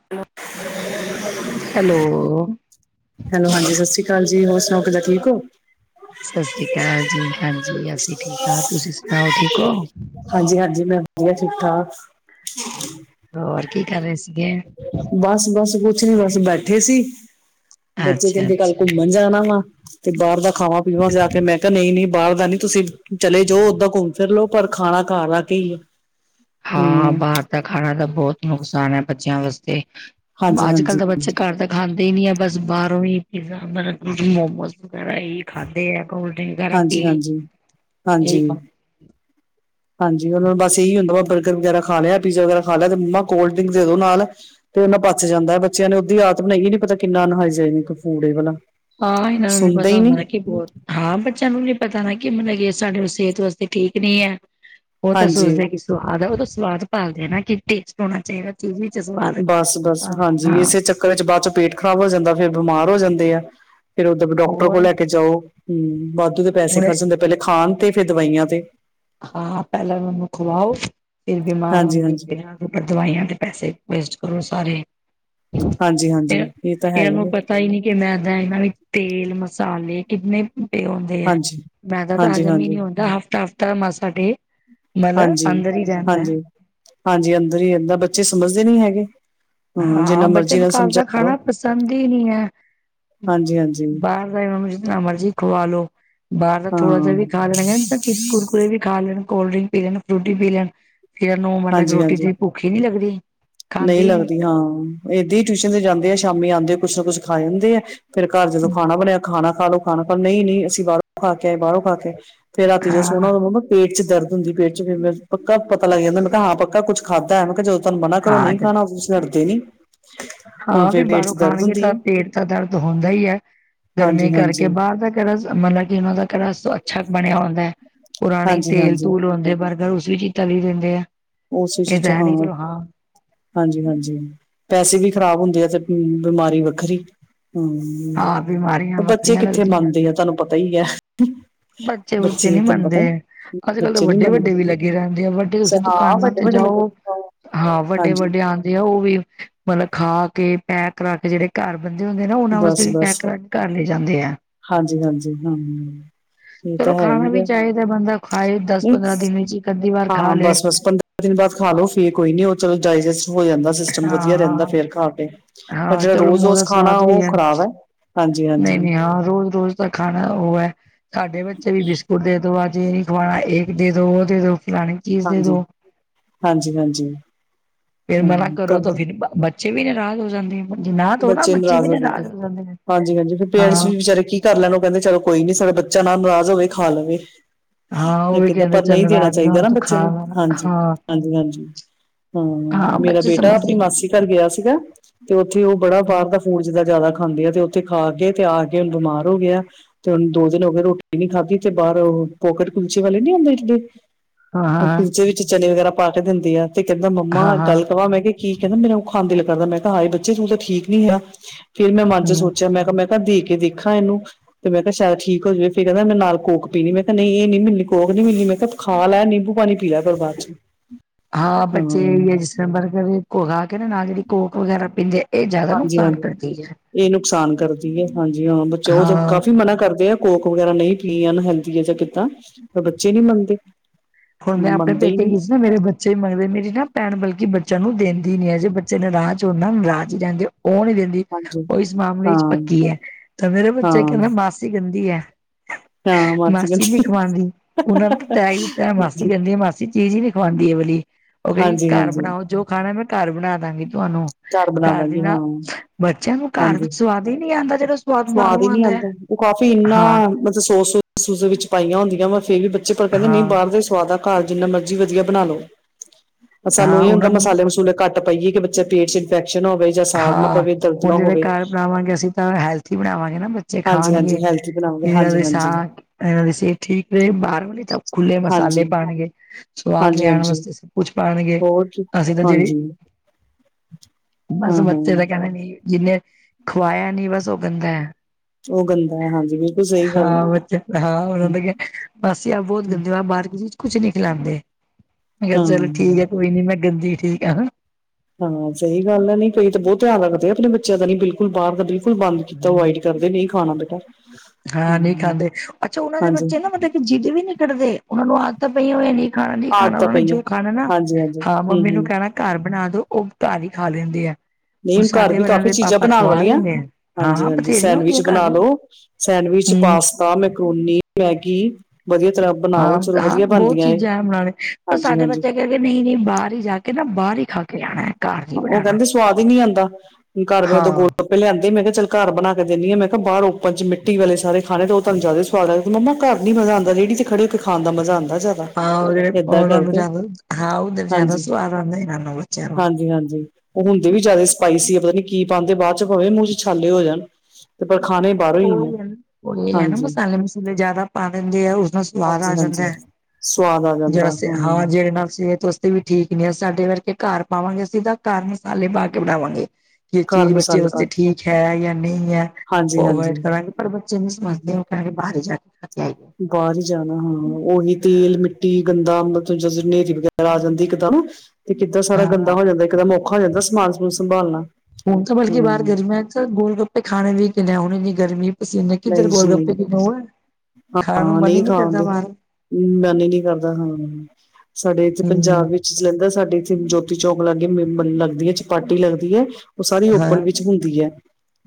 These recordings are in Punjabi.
[inaudible] ਹੈਲੋ। ਹੈਲੋ, ਹਾਂਜੀ ਸਸ ਸ੍ਰੀ ਕਾਲ ਜੀ। ਹੋਰ ਸੁਣਾਓ ਕਿੱਦਾਂ, ਠੀਕ ਓ? ਸਸ ਸ੍ਰੀ ਕਾਲ ਜੀ। ਹਾਂਜੀ, ਅਸੀ ਠੀਕ ਆਂ। ਤੁਸੀ ਸੁਣਾਓ ਠੀਕ ਓ? ਹਾਂਜੀ-ਹਾਂਜੀ ਮੈਂ ਵਧੀਆ, ਠੀਕ-ਠਾਕ। ਹੋਰ ਕੀ ਕਰ ਰੇ ਸੀਗੇ? ਬਸ-ਬਸ ਕੁਛ ਨੀ ਬਸ ਬੈਠੇ ਸੀ। ਬੱਚੇ ਅੱਛਾ ਕੈਂਦੇ ਕਾੱਲ ਅੱਛਾ ਘੁੰਮਣ ਜਾਣਾ ਵਾ ਤੇ ਬਾਰ ਦਾ ਖਾਵਾਂ ਪੀਵਾਂ ਜਾ ਕੇ। ਮੈਂ ਕਿਆ ਨਈ ਨੀ ਬਾਰ ਦਾ ਨੀ ਤੁਸੀ ਚਲੇ ਜਾਓ ਓਦਾਂ ਘੁੰਮ ਫਿਰ ਲੋੋ ਪਰ ਖਾਣਾ ਘਰ ਆ ਕੇ ਈ ਐ। ਹਾਂ, ਬਾਰ ਦਾ ਖਾਨਾ ਤਾਂ ਬੋਤ ਨੁਕਸਾਨ ਐ ਬੱਚੇਆਂ ਵਾਸਤੇ। ਹਾਂਜੀ ਅੱਜ ਕਾੱਲ ਹਾਂਜੀ ਤਾਂ ਬੱਚੇ ਘਰ ਤ ਖਾਂਦੇ ਈ ਨੀ ਐ ਬਸ ਬਾਰੋਂ ਹੀ ਪੀਜ਼ਾ, [unintelligible] ਮੋਮੋਜ ਵਗੈਰਾ ਐ ਈ ਖਾਂਦੇ ਐ। ਕੋਲਡ ਡ੍ਰਿੰਕ ਵਗੈਰਾ ਪੀ ਹਾਂਜੀ ਲਈ। ਹਾਂਜੀ ਏਈ ਹਾਂਜੀ ਖਾ ਹਾਂਜੀ ਓਨਾਂ ਨੂੰ ਬਸ ਏਹੀ ਹੁੰਦਾ ਵਾ ਬਰਗਰ ਵਗੈਰਾ ਖਾ ਲੇਐ, ਪੀਜ਼ਾ ਵਗੈਰਾ ਖਾ ਲੇਐ ਤੇ ਮੰਮਾ ਕੋਲਡ ਡਰਿੰਕ ਦੇ ਦੋ ਨਾਲ। ਤੇ ਓ ਨਾ ਪਚ ਜਾਂਦੈ ਬੱਚਿਆਂ ਨੇ ਓਦਾਂ ਈ ਆਦਤ ਬਨਾਈ ਹੋਈ ਐ। ਐ ਨੀ ਪਤਾ ਕਿੰਨਾ ਅਨਹਾਈਜੈਨਿਕ ਫੂਡ ਐ ਵਾਲਾ। ਹਾਂ, ਏਨਾਂ ਨੂੰ ਨੀ ਸੁਣਦਾ ਪਤਾ ਹੀ ਹੁੰਦੈ ਕਿ ਬੋਤ ਹਾਂ, ਬੱਚੇਆਂ ਨੂੰ ਨੀ ਪਤਾ ਨਾ ਕਿ ਮਤਲਬ ਕਿ ਏ ਸਾਡੀ ਓ ਸੇਤ ਵਾਸਤੇ ਠੀਕ ਨੀ ਐ। ਓ ਤੇ ਹਾਂਜੀ ਸੋਚਦੇ ਐ ਕਿ ਸਵਾਦ ਐ ਓ ਤੇ ਸਵਾਦ ਭਾਲਦੇ ਐ ਨਾ ਕਿ [unintelligible] ਹੋਨਾ ਚਾਈਦੈ। ਤੂੰ ਵੀ ਤੇ ਸਵਾਦ, ਆ ਹਾਂ। ਕਦੇ 'ਚ ਬਾਦ 'ਚੋਂ ਪੇਟ ਖ਼ਰਾਬ ਹੋ ਜਾਂਦਾ ਫਿਰ ਬਿਮਾਰ ਹੋ ਜਾਂਦੇ ਐ। ਫੇਰ ਓਦਰ ਬ ਡਾਕਟਰ ਹੋਰ ਕੋਲ ਲੈ ਕੇ ਜਾਓ। ਹੂੰ, ਵਾਧੂ ਦੇ ਪੈਸੇ ਹੁਣੇ ਖਰਚ ਹੁੰਦੇ, ਪੈਲੇ ਖਾਨ ਤੇ ਫਿਰ ਦਵਾਈਆਂ ਤੇ। ਹਾਂ, ਪੈਹਲਾਂ ਓਨਾਂ ਨੂੰ ਖਵਾਓ ਫੇਰ ਬਿਮਾਰ ਹਾਂਜੀ ਹੁੰਦੇ ਹਾਂਜੀ ਫਿਰਨ ਉੱਪਰ ਦਵਾਈਆਂ ਤੇ ਪੈਸੇ ਵੇਸਟ ਕਰੋ ਸਾਰੇ। ਹਾਂਜੀ ਐ, ਹਾਂਜੀ ਇਹ ਤਾਂ ਹੈ ਐ ਹੀ ਓਨੂੰ ਹੈ ਪਤਾ ਈ ਨਈ ਕਿ ਮੈਂ ਏਦਾਂ ਏਨਾਂ ਨੇ ਤੇਲ, ਮਸਾਲੇ ਕਿੰਨੇ ਪੇ ਹੁੰਦੇ ਐ। ਹਾਂਜੀ ਮੈਦਾ ਤਾਂ ਹਾਂਜੀ ਹਜਮ ਈ ਹਾਂਜੀ ਨੀ ਹੁੰਦਾ ਹਫ਼ਤਾ-ਹਫ਼ਤਾ ਮਾਸਾ ਟੇ ਮਤਲਬ ਹਾਂਜੀ ਅੰਦਰ ਈ ਜਾਂਦੈ। ਹਾਂਜੀ ਹਾਂਜੀ ਅੰਦਰ ਈ ਅੰਦਰ ਬੱਚੇ ਸਮਝਦੇ ਨੀ ਹੈਗੇ। ਜਿੰਨਾ ਹਾਂ, ਬੱਚੇਆਂ ਮਰਜ਼ੀ ਨੂੰ ਨਾਲ ਘਾਰ ਸਮਝਾ ਦਾ ਲੋ ਖਾਨਾ ਪਸੰਦ ਈ ਨੀ ਐ। ਹਾਂਜੀ ਹਾਂਜੀ ਬਾਹ ਰੋਂ ਏਨਾਂ ਨੂੰ ਜਿਤਨਾਂ ਮਰਜ਼ੀ ਖਵਾ ਲੋ ਬਾਰ ਦਾ ਹਾਂ ਥੋੜਾ ਜਿਆ ਵੀ ਖਾ ਲੈਣਗੇ ਨਾ ਸਬ ਚੀਜ ਕੁਰਕੁਰਰੇ ਵੀ ਖਾ ਲੈਣ, ਕੋਲਡ ਡਰਿੰਕ ਪੀ ਲੈਣ, ਫਰੂਟੀ ਪੀ ਲੈਣ, ਫਿਰ ਓਨੂੰ ਮਤਲਬ ਕਿ ਰੋਟੀ ਦੀ ਭੁੱ ਖ ਈ ਨੀ ਲੱਗਦੀ। ਨਈ ਖਾਂਦੇ ਹੀ ਨੀ ਲੱਗਦੀ ਹਾਂ, ਏਦਾਂ ਈ ਟਿਊਸ਼ਨ ਤੇ ਜਾਂਦੇ ਆ ਸ਼ਾਮੀ ਆਂਦੇ ਕੁਛ ਨਾ ਕੁਛ ਖਾਯ ਆਂਦੇ ਐ। ਫੇਰ ਘਰ ਜਦੋਂ ਖਾਣਾ ਬਣਿਆ ਖਾਣਾ ਖਾ ਲਓ, ਖਾਣਾ ਖਾ ਲੋ। ਨਈ-ਨਈ ਅਸੀ ਬਾਰੋਂ ਖਾ ਕੇ ਆਏ, ਬਾਰੋਂ ਖਾ ਕੇ ਆਏ। ਫੇਰ ਰਾਤੀ ਜਦੋਂ ਹਾਂ ਸੋਨਾ ਹੋਵੇ ਨਾ ਪੇਟ 'ਚ ਦਰਦ ਹੁੰਦੀ, ਪੇਟ 'ਚ ਫੇਰ ਮੈਂ ਪਕਾ ਪਤਾ ਲੱਗ ਜਾਂਦਾ। ਮੈਂ ਕੇਆ ਹਾਂ ਪੱਕਾ ਕੁੱਛ ਖਾਦਾ ਐ। ਮੈਂ ਕੇਆ ਜਦੋ ਤੁਆਨੂੰ ਮੰਨ ਕਰੋ ਹਾਂ ਨਈ ਜ- ਖਾਨਾ, ਤੁਸੀ ਹਟਦੇ ਨੀ। ਹੁਣ ਹਾਂ ਫੇਰ ਪੇਟ ਬਾਹਰੋਂ ਚ ਦਰਦ ਖਾਣਗੇ, ਹੁੰਦੀ ਤਾਂ ਹੈ ਪੇਟ ਤਾਂ ਦਰਦ ਹੁੰਦਾ ਹੀ ਹੈ, ਗਰਮੀ ਹਾਂਜੀ ਕਰਕੇ ਹਾਂਜੀ ਬਾਹਰ ਦਾ [inaudible] ਪੁਰਾਣੇ ਹੀ ਹਾਂਜੀ ਤੇਲ ਹਾਂਜੀ ਤੂਲ ਹੁੰਦੇ, ਬਰਗਰ ਉਸ ਚ ਹੀ ਤਲੀ ਦਿੰਦੇ ਹੈ। ਉਸੇ ਇਹ ਤਾਂ ਚ ਨੀ ਹਾਂ। ਚਲੋ ਹਾਂਜੀ-ਹਾਂਜੀ ਪੈਸੇ ਵੀ ਖ਼ਰਾਬ ਹੁੰਦੇ ਆ, ਤੇ ਬਿਮਾਰੀ ਵੱਖਰੀ, ਹਮ। ਹਮ, ਹਾਂ ਬਿਮਾਰੀਆਂ ਬੱਚੇ ਵੱਖਰੀਆਂ ਕਿੱਥੇ ਲੱਗਦੀਆਂ ਮੰਨਦੇ ਆ, ਤੁਹਾਨੂੰ ਪਤਾ ਹੀ ਹੈ। ਬੱਚੇ ਬੁੱਚੇ ਨੀ ਤੁਹਾਨੂੰ ਪਤਾ ਮੰਨਦੇ, ਹੀ ਅੱਜ ਕੱਲ ਤਾਂ ਬੱਚੇ ਨੀ ਵੱਡੇ ਮੰਨਦੇ ਵੱਡੇ ਵੀ ਲੱਗੇ [unintelligible] ਰਹਿੰਦੇ ਆ ਵੱਡੇ ਤੁਸੀਂ ਹਾਂ ਦੁਕਾਨਾਂ ਵੱਡੇ ਤੇ ਵੱਡੇ ਲੱਗੇ ਜਾਓ, ਹਾਂ ਵੱਡੇ ਹਾਂਜੀ ਵੱਡੇ ਆਉਂਦੇ ਆ, ਉਹ ਵੀ ਮਤਲਬ ਖਾ ਕੇ, ਪੈਕ ਕਰਾ ਕੇ, ਜਿਹੜੇ ਘਰ ਬੰਦੇ ਹੁੰਦੇ ਆ ਨਾ, ਉਹਨਾਂ ਵਾਸਤੇ ਵੀ, ਪੈਕ ਕਰਾ ਕੇ ਘਰ ਲੈ ਜਾਂਦੇ ਹੈ। ਹਾਂਜੀ-ਹਾਂਜੀ, ਹਮ-ਹਮ। ਇਹ ਚਲੋ ਤਾਂ ਹੈ ਖਾਣਾ ਹੀ ਵੀ ਆ, ਚਾਹੀਦਾ ਬੰਦਾ ਖਾਏ ਦਸ ਨਹੀਂ ਪੰਦਰਾਂ ਦਿਨ ਵਿੱਚ ਇੱਕ ਅੱਧੀ ਵਾਰ ਖਾ ਹਾਂ, ਲਏ ਬਸ-ਬਸ ਦਿਨ ਬਾਅਦ ਖਾ ਲੋ, ਫੇਰ ਕੋਈ ਨੀ, ਉਹ ਚਲੋ, ਡਾਇਜਸਟ ਹੋ ਜਾਂਦਾ, ਸਿਸਟਮ ਹਾਂ ਵਧੀਆ ਰਹਿੰਦਾ, ਹਾਂ ਫੇਰ ਖਾ ਕੇ। ਪਰ ਹਾਂ ਜਿਹੜਾ ਚਲੋ ਮੂੰਹ ਰੋਜ਼-ਰੋਜ਼ ਦਾ ਖਾਣਾ, ਸਵਾਦ ਉਹ ਖ਼ਰਾਬ ਹੈ, ਹਾਂਜੀ-ਹਾਂਜੀ। ਹ ਰੋਜ਼-ਰੋਜ਼ ਤਾਂ ਖਾਣਾ ਉਹ ਹੈ, ਸਾਡੇ ਬੱਚੇ ਵੀ ਬਿਸਕੁਟ ਦੇ ਦੋ ਆਜੇ ਖਵਾਣਾ ਇੱਕ ਦੇ ਦੋ, ਦੋ ਦੇਦੋ ਖਿਲਾਣੇ ਚੀਜ਼ ਦੇ ਦੋ, ਹਾਂਜੀ ਹਾਂਜੀ ਹਾਂਜੀ ਫੇਰ ਮਨਾ ਹਮ ਕਰੋ, ਤਾਂ ਕਰ ਫੇਰ ਬ ਬੱਚੇ ਵੀ ਨਾਰਾਜ਼ ਹੋ ਜਾਂਦੇ ਆ। ਜੇ ਨਾ ਦੋ ਨਾ ਬੱਚੇ ਵੀ ਨਾਰਾਜ਼ ਹੋ ਜਾਂਦੇ, ਨੇ। ਹਾਂਜੀ-ਹਾਂਜੀ, ਫੇਰ ਪੇਰੈਂਟਸ ਵੀ ਹਾਂ, ਵਿਚਾਰੇ ਕੀ ਘਰ ਲਿਆ ਨੂੰ, ਉਹ ਕਹਿੰਦੇ, ਚਲੋ ਕੋਈ ਨੀ, ਸਾਡਾ ਬੱਚਾ ਨਾ ਨਰਾਜ਼ ਹੋਵੇ, ਖਾ ਲਵੇ। ਹਾਂ ਉਹ ਮ ਵੀ ਕਿੱਦਾਂ ਕਹਿੰਦੇ ਪਰ ਚੱਲ ਨਹੀਂ ਦੇਣਾ ਨਾਰਾਜ਼ ਚਾਹੀਦਾ ਹੋ ਨਾ ਤੂੰ ਬੱਚੇ ਖਾ ਨੂੰ, ਨਾ, ਹਾਂ, ਹਾਂਜੀ-ਹਾਂਜੀ, ਹਾਂਜੀ। ਹਮ, ਹਾਂ ਮੇਰਾ ਬੱਚੇ ਬੇਟਾ, ਸਮਝਦੇ ਆਪਣੀ ਮਾਸੀ ਨੀ। ਘਰ ਗਿਆ ਸੀਗਾ ਤੇ ਉੱਥੇ ਉਹ ਬੜਾ ਬਾਹਰ ਦਾ ਫੂਡ ਜਿੱਦਾਂ ਜ਼ਿਆਦਾ ਖਾਂਦੇ ਆ, ਤੇ ਉੱਥੇ ਖਾ ਕੇ, ਤੇ ਆ ਕੇ, ਹੂੰਨ ਬਿਮਾਰ ਹੋ ਗਿਆ। ਤੇ ਹੁਣ ਦੋ ਦਿਨ ਹੋ ਗਏ, ਰੋਟੀ ਨੀ ਖਾਦੀ, ਤੇ ਬਾਹਰ ਪੋਕਟ ਕੁਲਚੇ ਵਾਲੇ ਨੀ ਆਉਂਦੇ ਹਾਂ, ਹਾਂ, ਕੁਲਚੇ ਵਿੱਚ ਚਣੇ ਵਗੈਰਾ ਪਾ ਕੇ ਦਿੰਦੀ ਆ, ਤੇ ਕਹਿੰਦਾ, ਮੰਮਾ ਹਾਂ, ਗੱਲ ਹਾਂ ਕਹਾਂ, ਮੈਂ ਕਿ ਕੀ ਕਹਿੰਦਾ, ਮੇਰਾ ਉਹ ਖਾਨ ਦਾ ਦਿਲ ਕਰਦਾ, ਮੈਂ ਕਿਹਾ, ਹਏ ਬੱਚੇ ਤੂੰ ਠੀਕ ਨੀ ਆ, ਫੇਰ ਮੈਂ ਮਨ ਚ ਹੂੰ ਸੋਚਿਆ, ਮੈਂ ਕਿਹਾ ਮੈਂ ਦੇ ਕੇ ਦੇਖਾਂ ਇਹਨੂੰ ਤੇ ਮੈਂ ਕਿਹਾ, ਸ਼ਾਇਦ ਠੀਕ ਹੋ ਜਾਵੇ, ਫੇਰ ਕਹਿੰਦਾ, ਮੈਂ ਨਾਲ ਕੋਕ ਪੀਣੀ, ਮੈਂ ਕਿਹਾ, ਨਹੀਂ, ਇਹ ਨੀ ਮਿਲਣੀ, ਕੋਕ ਨੀ ਮਿਲਣੀ ਖਾ ਲੈ, ਨਿੰਬੂ ਪਾਣੀ ਪੀ ਲੈ, ਫੇਰ ਬਾਅਦ ਚ। ਹਾਂ, ਬੱਚੇ ਆ, ਜਿਸ ਤਰ੍ਹਾਂ ਬਰਗਰ [unintelligible] ਖਾ ਕੇ ਨਾ ਨਾਲ ਜਿਹੜੀ ਕੋਕ ਵਗੈਰਾ ਪੀਂਦੇ ਇਹ ਜ਼ਿਆਦਾ ਨੁਕਸਾਨ ਹਾਂਜੀ-ਹਾਂਜੀ, ਕਰਦੀ ਹੈ। ਇਹ ਨੁਕਸਾਨ ਕਰਦੀ ਹੈ, ਹਾਂਜੀ ਹਾਂ, ਬੱਚਾ, ਉਹ ਤਾਂ ਹਾਂ ਕਾਫ਼ੀ ਮਨਾ ਕਰਦੇ ਆ। ਕੋਕ ਵਗੈਰਾ ਨਹੀਂ ਪੀਨੀ, ਅਨਹੈਲਦੀ ਹੈ, ਜਾਂ [unintelligible] ਪਰ ਬੱਚੇ ਨਹੀਂ ਮੰਨਦੇ। ਹੁਣ ਮੈਂ ਆਪਣੇ ਮੰਨਦੇ ਹੀ ਪੇਕੇ ਨੀ ਗਈ ਸੀ, ਨਾ ਮੇਰੇ ਬੱਚੇ ਬੱਚੇ ਮੰਗਦੇ, ਮੇਰੀ ਨਾ ਭੈਣ, ਬਲਕਿ ਬੱਚਿਆਂ ਨੂੰ ਦਿੰਦੀ ਨੀ ਹੈ, ਜੇ ਬੱਚੇ ਨਰਾਜ਼ ਹੋ ਨਾ ਨਾਰਾਜ਼ ਹੀ ਰਹਿੰਦੇ, ਉਹ ਨੀ ਦਿੰਦ ਹਾਂਜੀ ਉਹ ਇਸ ਮਾਮਲੇ ਹਾਂ ਚ ਪੱਕੀ ਹੈ, ਤਾਂ ਮੇਰੇ ਬੱਚੇ ਹਾਂ ਕਹਿੰਦਾ, ਮਾਸੀ ਗੰਦੀ ਹੈ। ਮਾਸੀ ਨੀ ਖਵਾਉੰਦੀ, ਉਹਨਾਂ ਨੂੰ ਤਾਂ ਏਈ ਤੇ ਮਾਸੀ ਹਾਂਜੀ, ਗੰਦੀ, ਮਾਸੀ ਚੀਜ਼ ਹੀ ਨਹੀਂ ਖਵਾਂਦੀ ਹੈ, ਇਹ ਵਾਲੀ, ਉਹ ਕਹੇਗੀ ਘਰ ਹਾਂਜੀ-ਹਾਂਜੀ ਬਣਾਓ, ਜੋ ਖਾਣਾ ਮੈਂ ਘਰ ਬਣਾ [unintelligible] ਤੁਹਾਨੂੰ ਬਣਾ ਘਰ ਦੀ ਦਾਂਗੇ ਹਾਂ, ਨਾ, ਬੱਚਿਆਂ ਨੂੰ ਘਰ ਹਾਂਜੀ ਵਿੱਚ ਸਵਾਦ ਹੀ ਨੀ ਆਉਂਦਾ ਜਦੋਂ ਸਵਾਦ ਹੀ ਨੀ ਆਉਂਦਾ, ਉਹ ਕਾਫੀ ਇੰਨਾ ਹਾਂ ਮਤਲਬ ਸੋਸ ਮਸੂਸੇ ਵਿੱਚ ਪਾਈਆਂ ਹੁੰਦੀਆਂ ਵ, ਫੇਰ ਵੀ ਬੱਚੇ ਪਰ ਕਹਿੰਦੇ, ਨਹੀਂ ਹਾਂ ਬਾਹਰ ਦੇ ਸਵਾਦ ਆ। ਘਰ ਜਿੰਨਾ ਮਰਜੀ ਵਧੀਆ ਬਣਾ ਲੋ, ਸਾਨੂੰ ਹਾਂ ਇਹ ਹੁੰਦਾ ਉਹਨਾਂ ਨੂੰ ਮਸਾਲੇ ਮਸੂਲੇ ਪਈਏ ਕਿ, ਬੱਚਾ ਦੇ ਪੇਟ ਚ ਇਨਫੈਕਸ਼ਨ ਹੋਵੇ ਜਾਂ ਸਾੜ ਨਾ ਹਾਂ, ਪਵੇ ਦਰਦ ਨਾ ਹੁਣ ਜਿਹੜੇ ਹੋਵੇ। ਘਰ ਬਣਾਵਾਂਗੇ, ਅਸੀਂ ਤਾਂ ਹੈਲਥੀ ਬਣਾਵਾਂਗੇ, ਨਾ ਬੱਚੇ ਖਾਣਗੇ। ਹਾਂਜੀ-ਹਾਂਜੀ ਹੈਲਥੀ ਬਣਾਵਾਂਗੇ ਇਹਨਾਂ ਦੀ ਹਾਂਜੀ-ਹਾਂਜੀ, ਸਾਥ, ਇਹਨਾਂ ਦੀ ਸਿਹਤ ਠੀਕ ਰਹੇ, ਬਾਹਰ ਵੀ ਤਾਂ ਖੁੱਲੇ ਮਸਾਲੇ ਹਾਂਜੀ, ਪਾਉਣਗੇ। ਸਵਾਦ ਲਿਆਉਣ ਹਾਂਜੀ-ਹਾਂਜੀ ਵਾਸਤੇ, ਸ ਕੁੱਛ ਪਾਉਣਗੇ, ਹੋਰ ਕੀ ਅਸੀਂ ਤਾਂ ਜਿਹੜੀ ਹਾਂਜੀ ਬਸ ਹਾਂ-ਹਾਂ ਬਚੇ ਦਾ ਕਹਿੰਣਾ, ਨੀ ਜਿਹਨੇ ਖਵਾਇਆ ਨੀ ਬਸ ਉਹ ਗੰਦਾ ਹੈ। ਉਹ ਗੰਦਾ ਹੈ ਹਾਂਜੀ ਬਿਲਕੁਲ ਸਹੀ ਗੱਲ ਹਾਂ, ਬੱਚ ਹਾਂ ਉਹਨੇ ਹੈ। ਕਿਹਾ ਮਾਸੀ ਆਪ ਬਹੁਤ ਗੰਦੇ ਹੋ ਆਪ ਬਾਹਰ ਕੀ ਚੀਜ਼ ਕੁਛ ਨਹੀਂ ਖਿਲਾਂਦੇ, ਮੈਂ ਕਿਹਾ ਚੱਲ ਠੀਕ ਹਾਂ ਹੈ ਕੋਈ ਨੀ ਮੈਂ ਗੰਦੀ ਠੀਕ ਹਾਂ। ਹਾਂ, ਸਹੀ ਗੱਲ ਹੈ ਨਹੀਂ ਕਈ ਤਾਂ ਬਹੁਤ ਧਿਆਨ ਰੱਖਦੇ ਆ ਆਪਣੇ ਬੱਚਿਆਂ ਦਾ ਨੀ ਬਿਲਕੁਲ ਬਾਹਰ ਦਾ ਬਿਲਕੁਲ ਬਿਲਕੁਲ ਬੰਦ ਕੀਤਾ, ਹਮ ਅਵਇਡ ਕਰਦੇ ਨਹੀਂ ਖਾਣਾ ਬੇਟਾ। ਹਾਂ, ਨਹੀਂ ਹੂੰ ਖਾਂਦੇ ਅੱਛਾ ਉਹਨਾਂ ਦੇ ਹਾਂਜੀ ਬੱਚੇ ਨਾ ਮਤਲਬ ਕਿ ਜਿੱਦ ਵੀ ਨੀ ਕੱਰਦੇ ਉਹਨਾਂ ਨੂੰ ਆਦਤਾ ਪਇਆ ਹੋਇਆ ਨੇ। ਖਾਣਾ ਨੀ ਖਾਣਾ ਆਦਤਾਂ ਉਹਨਾਂ ਨੇ ਪਈਆਂ ਜੋ ਖਾਣਾ ਨਾ ਹਾਂਜੀ ਹਾਂਜੀ ਹਾਂ, ਹੂੰ ਮੰਮੀ ਹੂੰ ਨੂੰ ਕਹਿਣਾ। ਘਰ ਬਣਾ ਦੋ ਉਹ ਤਾਵੀ ਖਾ ਲੈਂਦੇ ਆ। ਨਹੀਂ ਹੁਣ ਘਰ ਸਾਡੇ ਵੀ ਵਾਲਿਆਂ ਕਾਫ਼ੀ ਦੇ ਚੀਜ਼ਾਂ ਪਾਪਾ ਬਣਾਉਣ ਖਵਾ ਵਾਲੀਆਂ ਦਿੰਦੇ ਆ ਹਾਂ ਹਾਂਜੀ-ਹਾਂਜੀ, ਬਥੇਰੀਆਂ ਸੈਂਡਵਿਚ ਹੁੰਦੀਆਂ ਘਰ ਬਣਾ ਵੀ ਲੋ। ਸੈਂਡਵਿਚ, ਹਮ ਪਾਸਤਾ, ਮੈਕਰੋਨੀ, ਮੈਗੀ। ਵਧੀਆ ਤਰ੍ਹਾਂ ਬਣਾਓ ਹਾਂ ਚਲੋ ਹਾਂ ਵਧੀਆ ਬਣਦੀਆਂ ਏ ਹਾਂਜੀ-ਹਾਂਜੀ। ਕਹਿੰਦੇ, ਨਹੀਂ-ਨਹੀਂ ਬਾਹਰ ਹੀ ਜਾ ਕੇ ਨਾ ਬਾਹਰ ਹੀ ਖਾ ਕੇ ਆਣਾ ਹੈ। ਉਹ ਕਹਿੰਦੇ ਸਵਾਦ ਹੀ ਨੀ ਆਂਦਾ ਘਰ ਵਾਲੇ ਹਾਂ ਗੋਲ-ਗ ਮੈ ਲਿਆਂਂਦੀ ਮੈਂ ਕਿਹਾ ਚੱਲ ਘਰ ਬਣਾ ਕੇ ਦਿੰਦੀ ਹਾਂ ਮੈਂ ਕਿਹਾ ਬਾਹਰ ਓਪਨ ਚ ਮਿੱਟੀ ਵਾਲੇ ਸਾਰੇ ਖਾਣੇ ਤੇ ਉਹ ਓਹ ਤੁਹਾਨੂੰ ਜ਼ਿਆਦੇ ਘਰ ਆਕੇ, ਮਮਾ ਘਰ ਨਹੀਂ ਮਜ਼ਾ ਆਉਂਦਾ ਰੇਡੀ ਤੇ ਖੜੇ ਹੋਕੇ ਖਾਣ ਦਾ ਮਜ਼ਾ ਆਉਂਦਾ ਜਿ ਹਾਂ, ਉਹ ਉਹਨਾਂ ਨੂੰ ਜ਼ਿਆਦਾ ਹਾਂ ਉੱਧਰ ਜ਼ਿਆਦਾ ਸਵਾਦ ਆਉਦਾ ਇਹਨਾਂ ਨੂੰ, ਬੱਚਿਆਂ ਨੂੰ। ਹਾਂ-ਹਾਂਜੀ, ਉਹ ਹੁੰਦੇ ਵੀ ਜ਼ਿਆਦਾ ਸਪਾਈਸੀ ਆ ਪਤਾ ਨੀ ਕੀ ਪਾਉਂਦੇ ਬਾਅਦ ਚ ਭਵੇ ਮੂੰਹ ਚ ਛਾਲੇ ਹੋ ਜਾਣ। ਤੇ ਪਰ ਖਾਣੇ ਬਾਹਰੋਂ ਹੀ ਨੇ ਤਾਹੀ ਹੈਨਾ, ਉਹੀ ਹੈਨਾ ਹਾਂਜੀ, ਮਸਾਲੇ-ਮਸੂਲੇ ਜਿਆਦਾ ਪਾ ਦਿੰਦੇ ਆ ਉਸ ਨਾਲ ਸਵਾਦ ਆ ਜਾਂਦਾ ਹੈ। ਹਾਂਜੀ-ਹਾਂਜੀ। ਜਿਹੜਾ ਹਾਂ ਜਿਹੜੇ ਨਾਲ ਸੀ ਏਵੀ ਠੀਕ ਨੀ ਏ, ਸਾਡੇ ਵਰਗੇ ਘਰ ਪਾਵਾਂਗੇ ਅਸੀਂ ਤਾਂ ਘਰ ਮਸਾਲੇ ਪਾ ਕੇ ਬਣਾਵਾਂਗੇ। ਕਿ ਇਹ ਘਰ ਚੀਜ਼ ਬੱਚੇ ਮਸਾਲੇ ਵਾਸਤੇ ਪਾ ਕੇ ਠੀਕ ਹੈ ਜਾਂ ਨਹੀਂ ਹੈ ਹਾਂਜੀ, ਉਹ ਅਵੋਇਡ ਹਾਂਜੀ। ਕਰਾਂਗੇ ਪਰ ਬੱਚੇ ਨੂੰ ਸਮਝਦੇ ਓ। ਸਾਰੇ ਬਾਹਰ ਹੀ ਜਾਕੇ ਬਾਹਰ ਹੀ ਜਾਣਾ ਹਾਂ, ਉਹੀ ਤੇਲ, ਹਾਂ। ਮਿੱਟੀ, ਗੰਦਾ ਮਤਲਬ ਜ ਹਨੇਰੀ ਆ ਜਾਂਦੀ ਇਕਦਮ ਤੇ ਕਿੱਦਾਂ ਸਾਰਾ ਗੰਦਾ ਹਾਂ ਹੋ ਜਾਂਦਾ ਇਕਦਮ ਔਖਾ ਹੋ ਜਾਂਦਾ ਸਮਾਨ-ਸਮੂਨ ਸੰਭਾਲਨਾ। ਹੁਣ ਤਾਂ ਬਲਕਿ ਬਾਹਰ ਗਰਮੀਆਂ ਚ ਗੋਲ-ਗੱਪੇ ਖਾਣੇ ਵੀ ਕਿਨੇ ਹੁਣ ਇਨੀ ਗਰਮੀ ਪਸੀਂਨੇ ਕਿੱਧਰ ਨਹੀਂ ਜੀ ਨਹੀਂ ਗੋਲ-ਗੱਪੇ ਕਿਨੇ ਹਾਂ, ਨਹੀਂ ਖਾਦੇ ਮਨ ਹੀ ਨੀ ਕਰਦਾ ਖਾਣ ਨੂੰ। ਸਾਡੇ ਇੱਥੇ ਹੂੰ ਪੰਜਾਬ ਵਿੱਚ ਜਲੰਧਰ ਸਾਡੇ ਇੱਥੇ ਜੋਤੀ ਚੌਕ ਲਾਗੇ ਮਬ ਲੱਗਦੀ ਹੈ ਚੋਪਾਟੀ ਲੱਗਦੀ ਏ। ਉਹ ਸਾਰੀ ਹਾਂ ਓਪਨ ਵਿੱਚ ਹੁੰਦੀ ਹੈ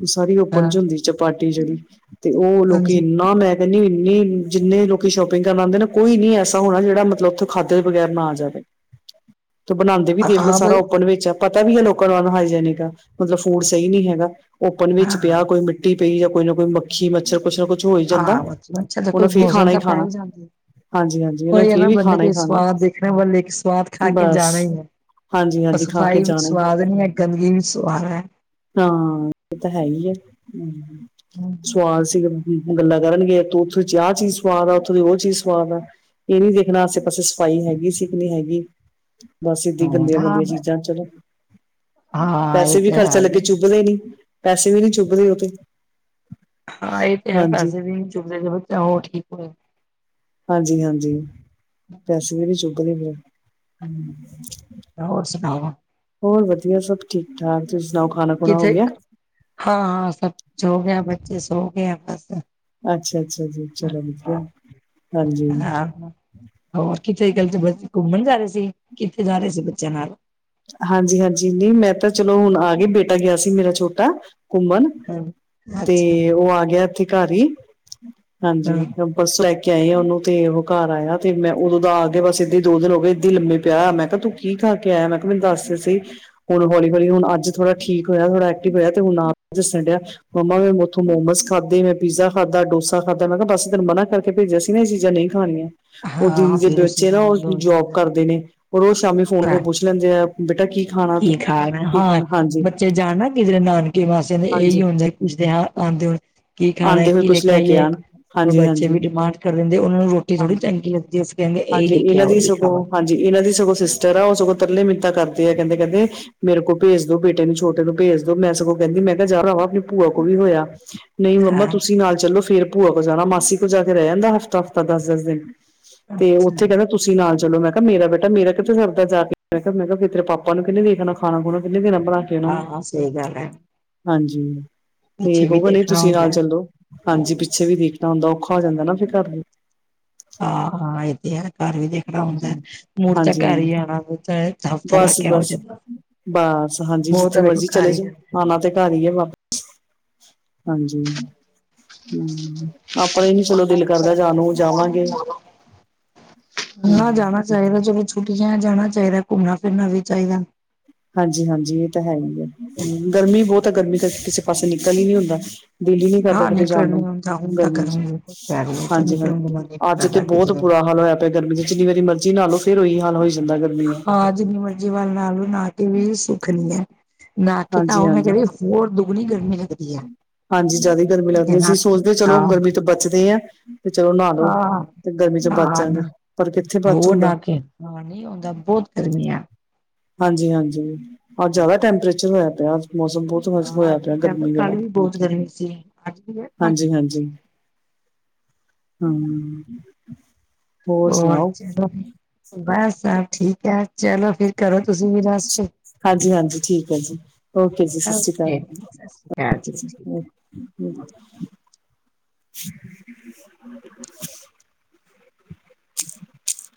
ਉਹ ਸਾਰੀ ਓਪਨ ਹਾਂ ਚ ਹੁੰਦੀ ਚਪਾਟੀ ਜਿਹੜੀ। ਤੇ ਉਹ ਲੋਕੀ ਹਾਂਜੀ ਇੰਨਾ ਮੈਂ ਇੰਨੀ-ਇੰਨੀ ਜਿੰਨੇ ਲੋਕੀ ਸ਼ੋਪਿੰਗ ਕਰਨ ਆਂਦੇ ਨਾ ਕੋਈ ਨੀ ਐਸਾ ਹੋਣਾ ਜਿਹੜਾ ਮਤਲਬ ਉੱਥੋਂ ਖਾਦੇ ਬਗੈਰ ਨਾ ਆ ਜਾਵੇ। [inaudible] ਤੇ ਬਣਾਉਂਦੇ ਵੀ ਦੇਖਲੋ ਹਾਂ ਬ ਸਾਰਾ ਓਪਨ ਵਿੱਚ ਆ। ਪਤਾ ਵੀ ਹੈ ਲੋਕਾਂ ਨੂੰ ਅਨਹਾਈਜੈਨਿਕ ਆ ਮਤਲਬ ਫੂਡ ਸਹੀ ਨੀ ਹੈਗਾ ਓਪਨ ਵਿੱਚ ਹਾਂ ਪਿਆ ਕੋਈ ਮਿਟ ਟੀ ਪਈ ਜਾਂ ਕੋਈ ਨਾ ਕੋਈ ਮੱਖੀ, ਮੱਛਰ ਕੁਛ ਨਾ ਕੁਛ ਹੋ ਹੀ ਆ ਜਾਂਦਾ ਮਛਰ ਦੇਖੋ ਉਹਨੇ ਇਸ ਫੇਰ ਮੌਸਮ ਖਾਣਾ ਹੀ ਤਾਂ ਖਾਣਾ ਪੈਹੀ ਜਾਂਦੇ ਹਾਂਜੀ ਹਾਂਜੀ ਉਹਨੇ ਉਹੀ ਹੈ ਫੇਰ ਨਾ ਵੀ ਬੰਦੇ ਖਾਣਾ ਹੀ ਕੇ ਖਾਣਾ ਸਵਾਦ ਦੇਖਣਾ ਬਲਕੇ ਸਵਾਦ ਖਾ ਕੇ ਬਸ ਜਾਣਾ ਹੀ ਹਾਂਜੀ ਹੈ। ਹਾਂਜੀ ਖਾ ਕੇ ਸਫ਼ਾਈ ਵਿੱਚ ਜਾਣਾ ਹੀ ਸਵਾਦ ਨੀ ਹੈ ਗੰਦਗੀ ਵੀ ਸਵਾਦ ਹੈ। ਹਾਂ, ਇਹ ਤਾਂ ਹੈ ਹੀ ਏ, ਹੂੰ। ਸਵਾਦ ਸੀ ਗੱਲਾਂ ਕਰਨਗੇ, ਉੱਥੋਂ ਦੀ ਆਹ ਚੀਜ਼ ਸਵਾਦ ਆ ਉੱਥੋਂ ਦੀ ਉਹ ਚੀਜ਼ ਸਵਾਦ ਆ। ਇਹ ਨੀ ਦੇਖਣਾ ਆਸੇ-ਪਾਸੇ ਸਫਾਈ ਹੈਗੀ ਸੀ ਕਿ ਨੀ ਹੈਗੀ ਬਸ ਏਦਾਂ ਹੀ ਹਾਂ ਗੰਦੀਆਂ-ਗੰਦੀਆਂ ਚੀਜ਼ਾਂ, ਚਲੋ ਹਾਂ ਇਹ ਪੈਸੇ ਵੀ ਤੇ ਹੈ ਖਰਚਾ ਲੱਗੇ ਚੁੱਭਦੇ ਨੀ ਪੈਸੇ ਵੀ ਨੀ ਚੁੱਭਦੇ ਉਹ ਤੇ ਹਾਂ ਇਹ ਤੇ ਹੈ ਹਾਂਜੀ, ਪੈਸੇ ਵੀ ਚੁੱਭਦੇ ਜੇ ਬੱਚਾ ਉਹ ਠੀਕ ਹੋਏ। ਹਾਂਜ-ਹਾਂਜੀ, ਪੈਸੇ ਦੇ ਵੀ ਚੁੱਗਦੇ ਫੇਰ। ਹੋਰ ਸੁਣਾਓ। ਹੋਰ ਵਧੀਆ ਸਭ ਠੀਕ ਠਾਕ ਤੁਸੀਂ ਸੁਣਾਓ ਖਾਣਾ ਖੁਣਾ ਹੋ ਕਿਥੇ ਗਿਆ। ਹਾਂ ਸਭ ਹੋ ਗਿਆ ਬੱਚੇ ਸੋ ਗਏ ਬਸ ਅੱਛਾ-ਅੱਛਾ ਜੀ ਚਲੋ ਵਧੀਆ, ਹਾਂਜੀ। ਹਾਂ ਹੋਰ ਕਿੱਥੇ ਕੱਲ ਘੁੰਮਣ ਜਾ ਰਹੇ ਸੀ ਕਿੱਥੇ ਜਾ ਰਹੇ ਸੀ ਬੱਚਿਆਂ ਨਾਲ, ਹਾਂਜੀ-ਹਾਂਜੀ, ਨਹੀ ਮੈਂ ਤਾਂ ਚਲੋ ਹੁਣ ਆ ਗਈ ਬੇਟਾ ਗਿਆ ਸੀ ਮੇਰਾ ਛੋਟਾ ਘੁੰਮਣ, ਤੇ ਅੱਛਾ ਉਹ ਆ ਗਿਆ ਇੱਥੇ ਘਰ ਹੀ, ਹਾਂਜੀ ਬਸ ਲੈ ਕੇ ਆਈ ਆ ਉਹਨੂੰ ਤੇ ਉਹ ਘਰ ਆਇਆ ਤੇ ਮੈਂ ਉਦੋਂ ਦਾ ਆ ਕੇ ਬਸ ਏਦਾਂ ਦੋ ਦਿਨ ਹੋ ਗਏ ਇਏ ਲੰਮੇ ਪਿਆ ਮੈਂ ਕਿਹਾ ਤੂੰ ਕੀ ਕਰਕੇ ਆਇਆ ਮੈਂ ਕਿਹਾ ਮੈਨੂੰ ਦੱਸ ਸੀ ਹੁਣ ਹੌਲੀ-ਹੌਲੀ ਹੁਨ ਅੱਜ ਥੋੜਾ ਠੀਕ ਹੋਇਆ ਥੋੜਾ ਆਕਟੀਵ ਹੋਇਆ ਹੁਣ ਆਪ ਦੱਸਣ ਡਿਆ। ਮਮਾ ਮੈ ਓਥੋ ਮੋਮੋਸ ਖਾਧੇ ਮੈਂ ਪੀਜ਼ਾ ਖਾਧਾ ਡੋਸਾ ਖਾਧਾ ਮੈਂ ਕਿਹਾ ਬਸ ਤੇ ਨੂੰ ਮਨਾ ਕਰ ਕੇ ਭੇਜਿਆ ਸੀ ਨਾ ਇਹ ਚੀਜ਼ਾਂ ਨਹੀ ਖਾਣੀਆ। ਉਹ ਹਾਂ ਦੀਦੀ ਫਿਰ ਦੇ ਉਸ ਬੱਚੇ ਨਾ ਨਾਲ ਉਹ ਹੀ ਹੋ ਜੋਬ ਜਾਂਦਾ ਕਰਦੇ ਨੇ ਉਹ ਰੋਜ ਸ਼ਾਮੀ ਫੋਨ ਹਾਂ ਕੇ ਪੁੱਛ ਲੈਂਦੇ ਆ ਬੇਟਾ ਕੀ ਖਾ ਕੀ ਖਾਣਾ ਹਾ ਬੱਚੇ ਜਾਣ ਨਾ ਕਿਧਰੇ ਨਾਨਕੇ ਮਾਸੀਆਂ ਦੇ ਇਹੀ ਹਾਂਜੀ ਹੁੰਦਾ ਪੁਛਦੇ ਹਾ ਆਉਂਦੇ ਹੋ ਕੀ ਖਾਣਾ ਆਉਂਦੇ ਹੋਏ ਕੀ ਲੈ ਕੁਛ ਕੇ ਆਈਏ, ਆਉਣ ਹ ਹਾਂਜੀ ਬੱਚੇ ਹਾਂਜੀ ਵੀ ਡਿਮਾਂਡ ਕਰ ਦਿੰਦੇ ਉਹਨਾਂ ਨੂੰ ਰੋਟੀ ਥੋੜੀ ਹਾਂਜੀ ਚੰਗੀ ਲੱਗਦੀ ਹੈ। ਕਹਿੰਦੇ ਇਹੀ ਹਾਂਜੀ ਲੈ ਕੇ ਇਹਨਾਂ ਆਓ ਦੀ ਇਹੀ ਸਗੋਂ ਖਾਵਾਂਗੇ ਹਾਂਜੀ ਇਹਨਾਂ ਦੀ ਸਗੋਂ ਸਿਸਟਰ ਆ ਉਹ ਸਗੋਂ ਤਰਲੇ ਮਿਨਤਾ ਕਰਦੇ ਆ ਕਹਿੰਦੇ-ਕਹਿੰਦੇ ਮੇਰੇ ਕੋਲ ਭੇਜ ਦੋ ਬੇਟੇ ਨੂੰ ਛੋਟੇ ਨੂੰ ਭੇਜ ਦੋ ਮੈ ਸਗੋਂ ਕਹਿੰਦੀ ਮੈ ਕਿਹਾ ਜਾ ਰਿਵਾਂ ਆਪਣੀ ਭੂਆ ਕੋਲ ਵੀ ਹੋਇਆ, ਨਹੀ ਮੰਮਾ ਹਾਂ ਤੁਸੀਂ ਨਾਲ ਚੱਲੋ ਫੇਰ ਭੂਆ ਕੋ ਜਾਣਾ ਮਾਸੀ ਕੋ ਜਾ ਕੇ ਰਹਿ ਜਾਂਦਾ ਹਫ਼ਤਾ ਹਫ਼ਤਾ ਦਸ-ਦਸ ਦਿਨ। ਤੇ ਅੱਛਾ ਉੱਥੇ ਕਹਿੰਦਾ, ਤੁਸੀਂ ਨਾਲ ਚਲੋ ਮੈ ਕਿਹਾ ਮੇਰਾ ਬੇਟ ਮੇਰਾ ਕਿਤੇ ਸਰਦਾ ਜਾ ਕੇ ਮੈ ਕਿਹਾ ਮੈਂ ਕਿਹਾ ਤੇਰੇ ਪਾਪਾ ਨੂੰ ਕਿਨੇ ਦੇਖਣਾ ਖਾਣਾ ਖੁਣਾ ਕਿੰਨੇ ਦੇਣਾ ਬਣਾ ਕੇ ਉਹਨਾਂ ਨੂੰ ਹਾਂ-ਹਾਂ ਸਹੀ ਗੱਲ ਹੈ। ਹਾਂਜੀ, ਤੇ ਪਿੱਛੇ ਵੀ ਉਹ ਵਾਲੇ, ਦੇਖਣਾ ਹੁੰਦਾ ਹੈ। ਦੋ ਹਾਂਜੀ ਪਿੱਛੇ ਵੀ ਦੇਖਣਾ ਹੁੰਦਾ ਔਖਾ ਹੋ ਜਾਂਦਾ ਨਾ ਫਿਰ ਘਰ ਨੂੰ ਹਾਂ ਏ ਤੇ ਆ ਘਰ ਵੀ ਦੇਖਣਾ ਹੁੰਦਾ ਹਾਂਜੀ ਮੁੜ ਤਾਂ ਹਾਂਜੀ ਘਰ ਹਾਂਜੀ ਹੀ ਆਉਣਾ ਹੁੰਦਾ ਹਫ਼ਤਾ ਬਸ ਲਾਕੇ ਆ ਬਸ ਜਾਂਦਾ ਬਸ ਹਾਂਜੀ ਬਹੁਤ ਜਿੱਥੇ ਵੇਖੋ ਮਰਜੀ ਘਰ ਚਲੇ ਹੀ ਜਾਓ ਆਣਾ ਤੇ ਘਰ ਹੀ ਹੈ ਵਾਪ ਹਾਂਜੀ, ਹੂੰ। ਆਪਾਂ ਹੀ ਨੀ ਚਲੋ ਦਿਲ ਕਰਦਾ ਜਾਣ ਨੂੰ ਜਾਵਾਂਗੇ, ਹੂੰ ਜਾਇਦਾ ਜਦੋਂ ਛੁੱਟੀਆਂ ਜਾਣਾ ਚਾਹੀਦਾ ਘੁੰਮਣਾ ਫਿਰਨਾ ਵੀ ਚਾਹੀਦਾ ਹਾਂਜੀ-ਹਾਂਜੀ, ਇਹ ਤਾਂ ਹੈ ਹੀ ਹੈ ਗਰਮੀ ਬਹੁਤ ਆ ਗਰਮੀ ਕਰਕੇ ਕਿਸੇ ਪਾਸੇ ਨਿਕਲ ਹੀ ਨਹੀਂ ਹੁੰਦਾ। ਦਿੱਲ ਹੀ ਨੀ ਕਰਦਾ ਕਿਤੇ ਜਾਣ ਨੂੰ ਗਰਮੀ ਚ ਹਾਂਜੀ- ਹਾਂਜੀ ਅੱਜ ਤੇ ਬਹੁਤ ਬੁਰਾ ਹਾਲ ਹੋਇਆ, ਗਰਮੀ ਚ ਜਿੰਨੀ ਵਾਰੀ ਮਰਜ਼ੀ ਨਹਾ ਲੋ ਫਿਰ ਉਹੀ ਹਾਲ ਹੋ ਜਾਂਦਾ ਗਰਮੀ ਦਾ ਹਾਂ ਜਿੰਨੀ ਮਰਜ਼ੀ ਵਾਰ ਨਹਾ ਲਓ ਨਹਾ ਕੇ ਵੀ ਸੁੱਖ ਨਈ ਹੈ। ਨਹਾ ਕਿ ਤਾਂ ਹਾਂਜੀ ਉਹ ਮੈਂ ਕ ਹਾਂਜੀ ਹੋਰ ਦੁੱਗਣੀ ਗਰਮੀ ਲੱਗਦੀ ਹੈ। ਹਾਂਜੀ ਜ਼ਿਆਦਾ ਹੀ ਗਰਮੀ ਲੱਗਦੀ ਜਨਾ ਅਸੀਂ ਸੋਚਦੇ ਹਾਂ ਚਲੋ ਗਰਮੀ ਤੋਂ ਬਚਦੇ ਹਾ ਤੇ ਚਲੋ ਨਹਾ ਲਓ ਹਾਂ ਤੇ ਗਰਮੀ ਚ ਹਾਂ ਬਚਾਂਗੇ ਨਾ ਪਰ ਕਿੱਥੇ ਬਚ ਹੋਰ ਹੁੰਦਾ ਨਾ ਕੇ ਹਾਂ ਨਹੀਂ ਆਉਂਦਾ ਬਹੁਤ ਗਰਮੀ ਆ। ਹਾਂਜੀ-ਹਾਂਜੀ ਹੋਰ ਜ਼ਿਆਦਾ ਟੈਂਪਰੇਚਰ ਹੋਇਆ ਪਿਆ ਮੌਸਮ ਬੋ ਹਾਂ ਹੋਇਆ ਅੱਜ ਪਿਆ ਵੀ ਟਾਈਮ ਗਰਮੀ ਵਾਲਾ, ਕੱਲ ਵੀ ਬਹੁਤ ਗਰਮੀ ਸੀ ਅੱਜ ਵੀ ਹੈ ਕੱਲ ਹਾਂਜੀ-ਹਾਂਜੀ। ਵੀ। ਹ ਓ ਅੱਛਾ ਮੈ ਸਭ ਠੀਕ ਹੈ ਚਲੋ ਫਿਰ, ਕਰੋ ਤੁਸੀਂ ਵੀ ਰੇਸਟ ਹਾਂਜੀ ਹਾਂਜੀ ਠੀਕ ਐ ਜੀ ਓਕੇ ਜੀ ਸੀ ਓਕੇ ਕਾਲ ਜੀ ਸਤਿ ਸ਼੍ਰੀ ਅਕਾਲ ਜੀ ਠੀਕ ਓ [unintelligible] [inaudible]